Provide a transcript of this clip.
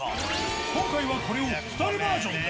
今回はこれを２人バージョンで。